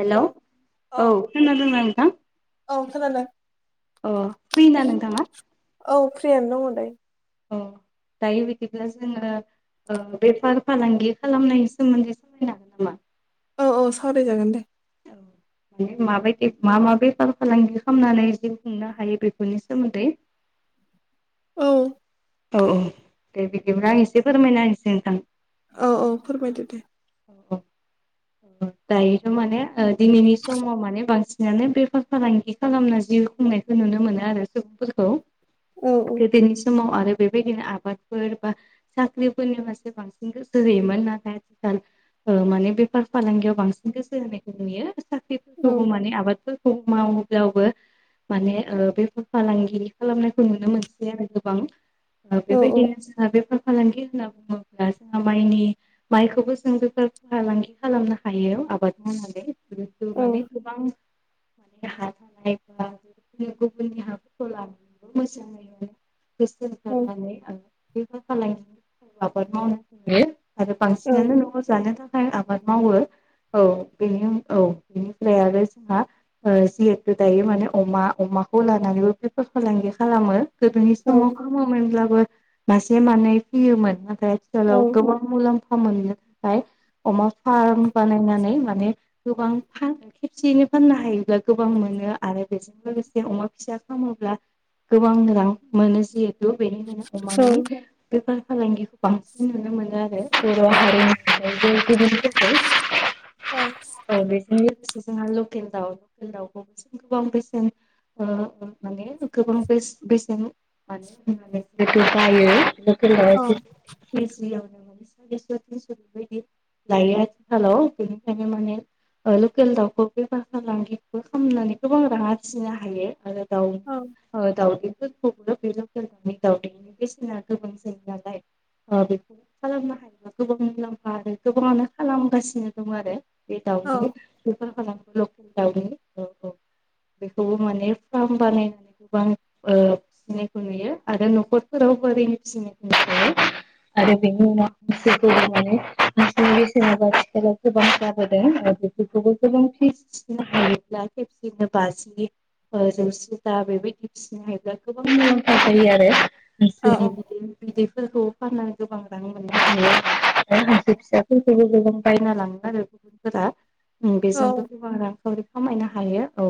Hello औ खोनादोंना नोंथां औ खोनादों अ फ्रिना नोंथाङा औ फ्रियानो दङ दायो अ दायो बिदिब्ला जोङो बेफार फालांगि खालामनायनि सोमोन्दै सावरायनो हागोन नामा औ औ सावरायजागोन दे। [inaudible] माबायदि मा मा बेफार फालांगि खामनानै जिउ खुंनो हायो बेफोरनि सोमोन्दै [inaudible] औ औ औ दे बिदिब्ला आं एसे फोरमायना होनिसै नोंथां औ औ फोरमायदो दे दायोथ माने ओ दिनैनि समाव माने बांसिनानो बेफार फालांगि खालामना जिउ खुंनायखौ नुनो मोनो आरो सुबुंफोरखौ औ गोदोनि समाव आरो बेबायदिनो आबादफोर बा साख्रिफोरनि फारसे बांसिन गोसो होयोमोन नाथाय आथिखाल ओ माने बेफार फालांगियाव बांसिन गोसो होनायखौ नुयो औ साख्रिफोरखौ माने आबादफोर मावोब्लाबो माने ओ बेफार फालांगिरि खालामनायखौ नुनो मोनसै आरो गोबां ओ औ बेबायदिनो जोंहा बेफार फालांगि होनना बुङोब्ला जोंहा माइनि माइखौबो जों बेफार फालांगि खालामनो हायो आबाद मावनानै औ [unintelligible] माने गोबां [unintelligible] गुबुननि हाफोरखौ लानानैबो मोजाङै गोसो औ होथाबनानै बेफार फालांगि आबाद मावनो हायो आरो औ बांसिनानो न'आव जानो थाखाय आबाद मावो औ बेनि अन औ बेनिफ्राय आरो जोंहा ओ जिहेतु दायो माने अमा अमाखौ लानानैबो बेपार फालांगि खालामो गोदोनि औ समाव खामोमोनब्लाबो मासे मानै फैयोमोन नाथाय औ आथिखालाव गोबां मुलाम्फा मोननो थाखाय अमा फार्म बानायनानै माने गोबां फानो खेबसेयैनो फाननो हायोब्ला गोबां मोनो आरो बेजों लोगोसे अमा फिसा खामोब्ला गोबां रां मोनो जिहेथु बेनिखायनो अमानि बेफार फालांगिखौ बांसिन नुनो मोनो आरो बर' हारिनि गुबुनफोरखौ अ औ बेजों लोगोसे जोंहा लकेल दाउ लकेल दाउखौ बेसे गोबां बेसेन ओ माने गोबां बेस बेसेन मानो हमबा बाइयो लकेल दावा एसे केजियावनो मान सारिस' थिनस' बेबायदि लायो आथिखालाव बेनिखायनो माने लकेल दाउखौ बेफार फालांगिबो खालामनानै गोबां राङ आरजिनो हायो आरो दाउनि दाउदै फोरखोबो दाउदैनि बेसेना गोबां जायो नालाय बेखौ खालामनो हायोबा गोबां मुलाम्फा आरो गोबाङानो खालामगासिनो दं आरो बे दाउनि बेफार खालामो लकेल दाउनि औ औ बेखौबो माने फार्म बानायनानै गोबां नुयो आरो न'खरफोराव बोरैनो फिसिनायखौ मिथि आरो बेनि उनाव बेफोरखौ लानानै आथिखालनि बेसेना आथिखालावबो गोबांथार होदों आरो बेफोरखौबो गोबां फिसिनो हायोब्ला खेबसेनो बाजि जौसे ता बेबायदि फिसिनो हायोब्ला गोबां मुलाम्फा जायो आरो औ गासै खोनादों औ बिदै बिदैफोरखौ फाननानै गोबां लोगोसे फिसाफोरखौबो गोबां बायना लाङो आरो गुबुनफोरा बेजोंबो औ गोबां रांखावरि खामायनो हायो औ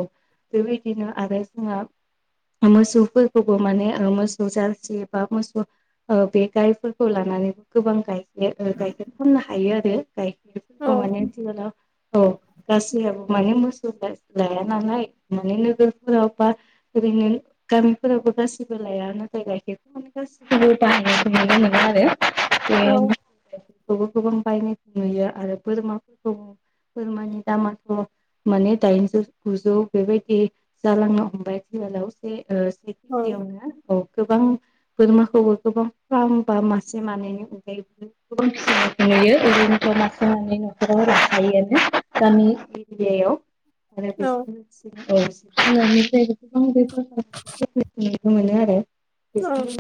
बेबायदिनो आरो जोंहा मोसौफोरखौबो माने मोसौ जारसि बा मोसौ बे गायफोरखौ लानानैबो गोबां गाय गाइखेर फननो हायो आरो गाइखेरफोरखौ माने औ औ गासै माने मोसौ लाया नालाय माने नगरफोराव बा ओरैनो गामिफोरावबो गाैबो लाय नथाय गाइखेरखौ माने गासिखौबो बाहनाय नुनो मोनो आरो बो गोबां बायनायखौ नुयो आरो बोरमा बोरमानि दामाथ' माने दाइनजौ गुजौ बेबायदि जालांनो हमबाय फिलाव बेयावनो औ गोबां बोरमाखौबो गोबां फ्रां बा मासे मानैनि अनगायैबो गुबुन फिखौ नुयो ओरैनोथ' मासे मानै नंङा खायोआनो गामि एरियायाव आरो बेजों लोगोसे जुनारनिफ्रायबो गोबां बे न मोनो आरो बेजोंनो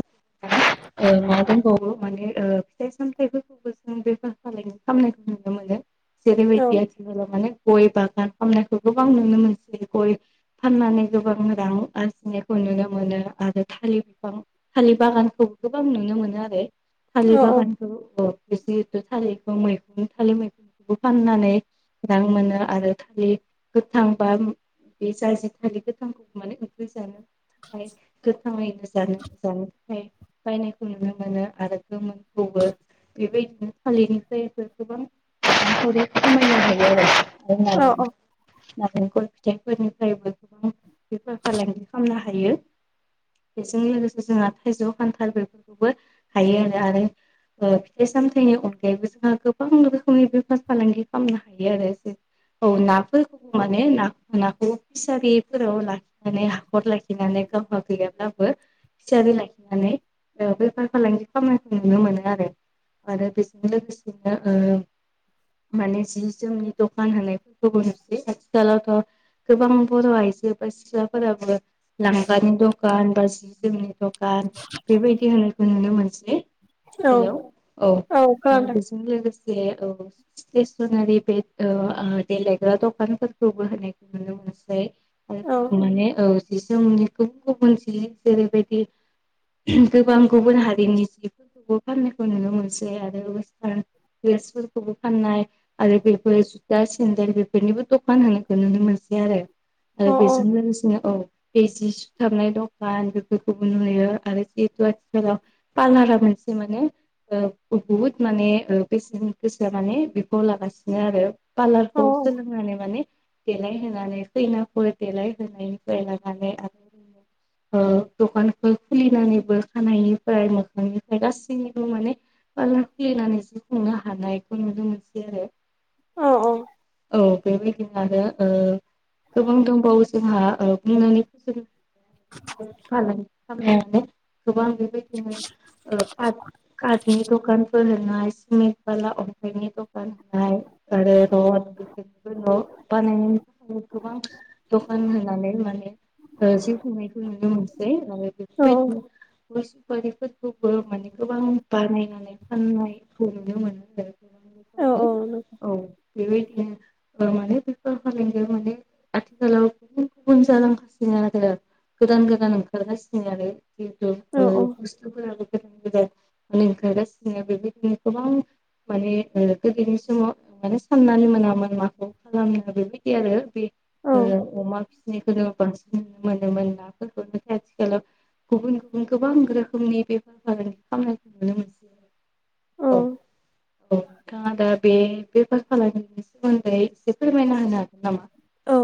मा दंबावो माने फिथाइ सामथायाइफोरखौबो जों बे नायखौ नुनो मोनो जेरैबायदि आरोखि ाव माने गय बागान खालामामनायखौ गोबां नुनो मोनसै गय फाननानै गोबां रां आरजिनायखौ नुनो मोनो आरो थालिर बिफां थालिर बागानखौ गोबां नुनो मोनो आरो थालिर बागानखौसेथ थालिर मैगं थालिर मैगं फाननानै रां मोनो आरो खालि गोथां बा बे जायजे थालिर गोथांखौ माने उखैजानो थाखाय गोथाङैनो जानो जानो ओफ्राय बायनायखौ नुनो मोनो आरो गोमोनखौबो बेबायदिनो फालिरनिफ्राय गोबां रि खामायनो हायो आरो नारेंखल फिथाइफोरनिफ्रायबो गोबां बेफार फालांगि खालामनो हायो बेजों लोगोसे जोंहा थाइजौ खान्थाल बेफोरखौबो हायो आरो ओ फिथाइ सामथाइनि अनगायैबो जोंहा गोबां बेफार फालांगि खालामनो हायो आरो ज औ नाफोरखौ माने नाखौ फुसारिफोराव ला माने हाखर लाखिनानै गावहा गैयाब्लाबो थियारि लाखिनानै बेफार फालांगि खालामनायखौ नुनो मोनो आरो आरो बेसिनोसिना माने जि जोंनि दखान होनायफोरखौ नुसै आथिखालावथ' गोबां बर' आइजो बा सिख्लाफोराबो लांगानि दखान बा जि जोमनि दखान बेबायदि होनायखौ नुनो मोनसै हेलौ औ बेजों लोगोसे औ सनारि बे देलायग्रा दखानफोरखौबो होनायखौ नुनो मोनसै माने औ जि जोमनि गुबुन गुबुन जि जेरैबायदि गोबां गुबुन हारिनि जिफोरखौबो फाननायखौ नुनो मोनसै आरो वेस्टार्न ड्रेस बो फाननाय आरो बेफोर जुथा सेन्देल बेफोरनिबो दखान होनायखौ नुनो मोनसै आरो बेजों लोगोसेनो औ बे जि सुथाबनाय दखान बेफोरखौबो नुयो आरो जिहेतु आथिखालाव पार्लारा मोनसे माने बुहुत माने बेसेन गोसा माने बिफाव लागासिनो आरो पार्लारखौ सोलोंनानै माने देलायहोनानै खैनाफोर देलाय होनायनिफ्राय लानानै आरो दखानखौ खुलिनानैबो खानायनिफ्राय मोखांनिफ्राय गासैनिबो माने बा खुलिनानै जिउ खुंनो हानायखौ नुनो मोनसै आरो औ बेबायदिनो आरो गोबां दंबावो जोंहा [unintelligible] फालांगि खालामनाय गोबां बेबायदिनो कारटनि दखानफोर होनाय सिमेन्ट बाला अन्थाइनि दखान होनाय आरो रद [unintelligible] दखान होनानै माने जिउ खुंनायखौ नुनो मोन सै आरो बेफोरबादिनो गय सुफारिफोरखौबो माने गोबां बानायनानै फाननायखौ नुनो मोनो औ बेबायदिनो बेफोर माने बेफोर फालांगिआ माने आथिखालाव गुबुन गुबुन जालांगासिनो आरो गोदान गोदान ओंखारगासिनो आरो [unintelligible] बेबादिनो गोबां माने गोदोनि समाव माने साननानै मोनामोन माखौ खालामो बेबायदि आरो बे अमा फिनायखौनो बांसिन नुनो मोनोमोन नाफोरखौनो आथिखालाव गुबुन गुबुन गोबां रोखोमनि बेफार फालांगि खालामनायखौ नुनो मोनसै औ औ नोंथाङा दा बे बेफार खालामनायनि सोमोन्दै एसे फोरमायना होनो हागोन नामा औ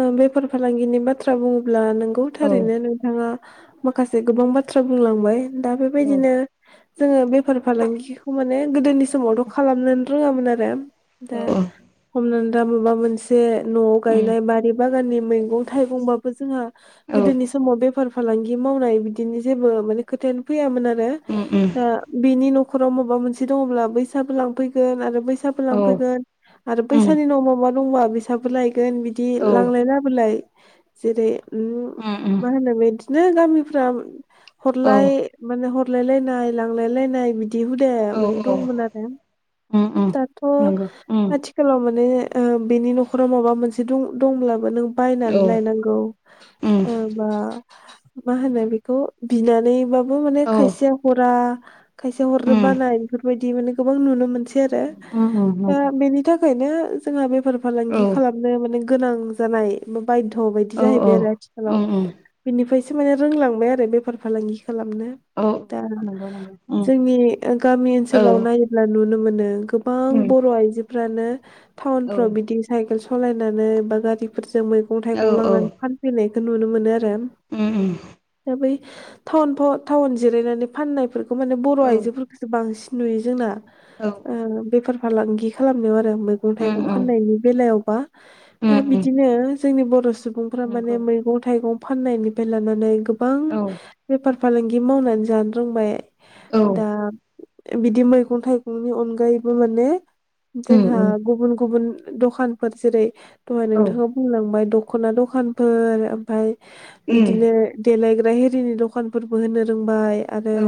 औ बेफार फालांगिनि बाथ्रा बुङोब्ला नोंगौ औ थारैनो नोंथाङा माखासे गोबां बाथ्रा बुंलांबाय दा औ बेबायदिनो जोङो बे बेफार फालांगिखौ माने गोदोनि समावथ' खालामनोनो रोङामोन आरो दा औ हमनानै ला माबा मोनसे न'आव उम गायनाय बारि बागाननि मैगं थाइगंबाबो जोंहा औ गोदोनि समाव बेफार फालांगि मावनाय बिदिनि जेबो माने खोथायानो फैयामोन आरो उम उम दा बेनि न'खराव माबा मोनसे दङब्ला बैसाबो लांफैगोन आरो बैसाबो औ लांफैगोन आरो उम बैसानि उनाव माबा दंबा बेैसाबो लायगोन बिदि औ लांलाय लाबोलाय जेरै उम उम मा होनो बिदिनो गामिफ्रा औ हरलाय माने हरलायलाय नाय लांलायलाय नाय बिदि बिदि हुदाया औ माने दंमोन आरो उम उम दाथ' नंगौ उम आथिखालाव माने बेनि न'खराव माबा मोनसे दंब्लाबो नों औ बायनानै लायनांगौ उम बा मा होनो बेखौ बिनानैबाबो माने औ खायसेया हरा खायसेया हरनो उम बानाय बेफोरबायदि माने गोबां नुनो मोनसै आरो ओ दा नंगौ बेनि थाखायनो जोंहा बेफार फालांगि औ खालामनो माने गोनां जानाय बा बायध' बायदि औ जाहैबाय औ आरो आथिखालाव बिनिफ्रायसो माने रोंलांबाय आरो बेफार फालांगि खालामनो औ दा नंगौ नंगौ उम जोंनि गामि औ ओनसोलाव नायोब्ला नुनो मोनो गोबां गोबां उम बर' आइजोफ्रानो औ टाउनफ्राव बिदि साइकेल सालायनानै बा गारिफोरजों मैगं थाइगं औ लांनानै फानफैनायखौ नुनो मोनो आरो [unintelligible] दा बै टाउन टाउन जिरायनानै फाननायफोरखौ माने बर' औ आइजोफोरखौ खौसो बांसिन नुयो जोंना औ बेफार फालांगि खालामनायाव आरो मैगं उम थाइगं उम फाननायनि बेलायावबा दा उम उम बिदिनो जोंनि बर' सुबुंफ्रा नंगौ माने मैगं थाइगं फाननायनिफ्राय लानानै गोबां औ बेफार फालांगि मावनानै जानो रोंबाय औ दा बिदि मैगं थाइगंनि अनगायैबो माने उम जोंहा उम गुबुन गुबुन दखानफोर जेरै दहाय औ उम नोंथाङा बुंलांबाय दख'ना दखानफोर ओमफ्राय बिदिनो देलायग्रा हिरिनि दखानफोरबो होनो रोंबाय आरो औ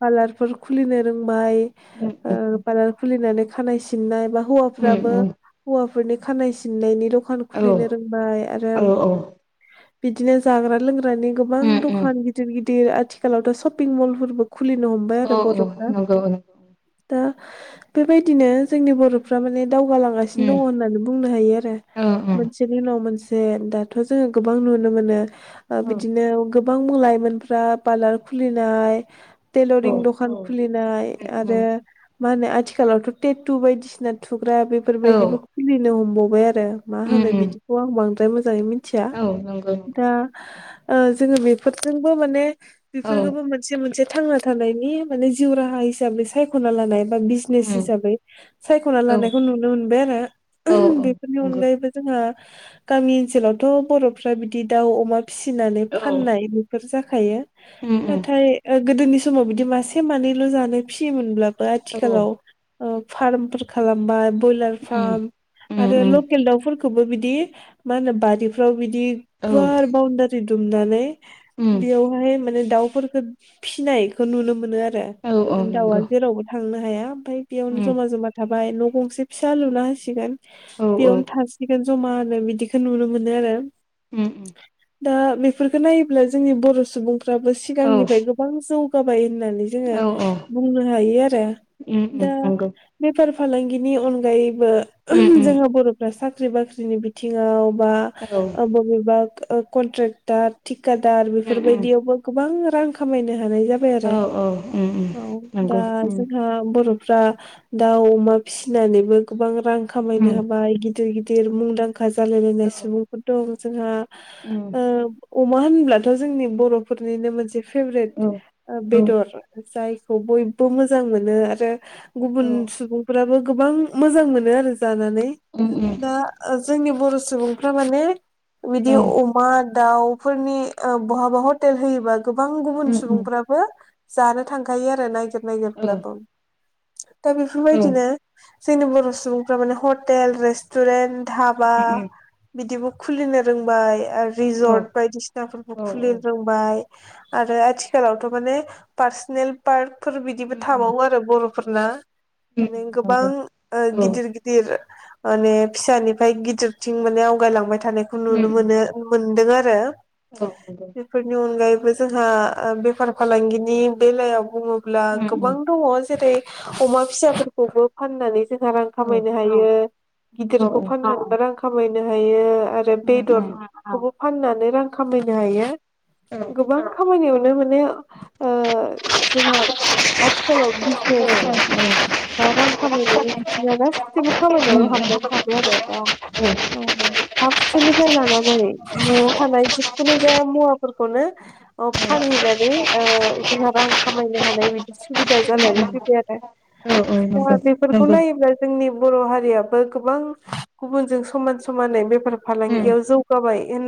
पार्लारफोर खुलिनो रोंबाय उम उम पार्लार खुलिनानै खानाय सिननाय बा हौवाफ्राबो उम उम हौवाफोरनि खानाय सिननायनि र दखान औ औ उम खुलिनो रोंबाय आरो बिदिनो जाग्रा लोंग्रानि गोबां उम दखान गिदिर गिदिर आथिखालावथ' सपिं मलफोरबो खुलिनो हमबाय औ आरो बर'फ्रा नंगौ नंगौ उम दा बेबायदिनो जोंनि बर'फ्रा माने दावगा लां गासिनो दङ होननानै बुंनो हायो आरो औ मोनसेनि उनाव मोनसे दाथ' जोङो गोबां नुनो मोनो औ बिदिनो गोबां लाइमोनफ्रा पार्लार खुलिनाय टेलरिं दखान औ खुलिनाय उम आरो उम मा होनो आथिखालावथ' थे टु बायदिसिना थुग्रा औ बेफोरबायदिबो खुलिनो हमबावबाय आरो मा उम होनो उम बिदिखौ आं बांद्राय मोजाङै मिनथिया औ नंगौ नंगौ दा जोङो बेफोरजोंबो माने औ बेफोरखौबो मोनसे मोनसे थांना थानायनि माने जिउ राहा हिसाबै सायख'ना लानाय बा बिजनेस उम हिसाबै सायख'ना औ लानायखौ नुनो मोनबाय आरो औ औ बेफोरनि नंगौ अनगायैबो जोंहा गामि ओनसोलावथ' बर'फ्रा बिदि दाउ अमा फिसिनानै औ फाननाय बेफोर जाखायो उम उम नाथाय गोदोनि समाव बिदि मासे मानैल' जानो फिसियोमोनब्ला बो औ आथिखालाव फार्मफोर खालामबाय ब्रयलार उम फार्म उम आरो उम लकेल दाउफोरखौबो बिदि मा होनो बारिफ्राव बिदि औ गुवार बाउन्दारि दुमनानै उम बेयाव बाहाय माने दाउफोरखौ फिसिनायखौ नुनो मोनो आरो औ औ दाउआ नंगौ जेरावबो थांनो हाया ओमफ्राय बेयावनो उम जमा जमा थाबाय न' गंसे फिसा लुना होसिगोन औ औ बेयावनो थासिगोन जमानो बिदिखौ नुनो मोनो आरो उम उम दा बेफोरखौ नायोब्ला जोंनि बर' सुबुंफ्राबो औ सिगांनिफ्राय गोबां जौ गाबाय होननानै जोङो औ औ बुंनो हायो आरो उम उम दा नंगौ बेफार फालांगिनि अनगायैबो उम उम जोंहा बर'फ्रा साख्रि साख्रि बाख्रिनि बिथिङाव बा औ ओ बबेबा कन्ट्रेक्टार थिकादार उम उम बेफोरबायदियावबो गोबां रां खामायनो हानाय जाबाय औ आरो उम उम औ दा नंगौ उम जोंहा बर' फ्रा दाउ अमा फिसिनानैबो गोबां रां खामायनो उम हाबाय गिदिर गिदिर मुंदांखा खा जालायलायनाय औ सुबुंफोर दं जोंहा उम अमा होनब्लाथ' जोंनि बर'फोरनिनो मोनसे फेभरेट औ औ बेदर जायखौ बयबो मोजां मोनो आरो गुबुन औ सुबुंफोराबो गोबां मोजां मोनो आरो जानानै उम उम दा जोंनि बर' सुबुंफ्रा माने बिदि औ अमा दाउफोरनि बहाबा हटेल होयोबा गोबां गुबुन उम उम सुबुंफ्रा बो जानो थांखायो आरो नायगिर औ नायगिरब्लाबो दा बेफोरबायदिनो जोंनि बर' सुबुंफ्रा माने हटेल रेस्ट टुरेन्ट धाबा उम बिदिबो खुलिनो रोंबाय आरो औ रिजर्ट बायदिसिनाफोरखौ औ खुलि रों बायिआरो आथिखालावथ' माने फारसनेल पार्कफोर बिदिबो उम उम उम थाबावो आरो बर'फोरना माने गोबां नंगौ औ गिदिर गि दिर माने फिसानिफ्राय गिदिरथिं माने आवगायलांबाय थानायखौ नुनो मोनो मोनदों आरो औे नंगौ बेफोरनि अनगायैबो जोंहा बेफार फालांगिनि बेलायाव बुङो ब्ला गोबां दङ जेरै अमा फिसाफोरखौबो फाननानै जोंहा रां औ खामायनो हायो औ गिदिरखौ फाननानैबो रां खामायनो हायो आरो रो बेदर औ खौबो फनानै रां खामायनो हायो गोबां खामानि बे माने ओ जोंहा आथिखालाव बिजनेस उम बा रां खामायनायनि बिथिङानो गासैबो खामानियाव हाबनानै थाबाय आरो दा औ फारसेनिफ्राय लानानै न'आव थानाय जिखुनु जाया मुवाफोरखौनो अ फानहैनानै जोंहा रां खामायनो हानाय बिदि सुबिदा जानानै फैबाय आरो औ नंगौ दा बेफोरखौ नंगौ नायोबा जोंनि बर' हारियाबो गोबां गुबुनजों समान समानै बेफार फालांगियाव जौ गाबाय होन